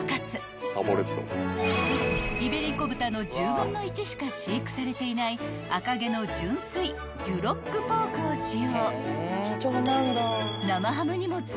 ［イベリコ豚の１０分の１しか飼育されていない赤毛の純粋デュロックポークを使用］